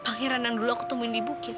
panggil renang dulu aku temuin di bukit